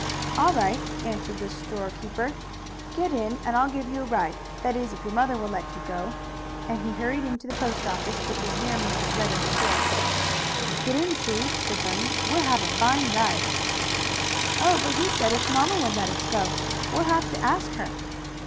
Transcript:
"All right," answered the store keeper. "Get in, and I'll give you a ride; that is if your mother will let you go," and he hurried into the post office, which was near Mrs. Redden's store. "Get in, Sue," said Bunny. "We'll have a fine ride." "Oh, but he said if mamma would let us. We'll have to ask her."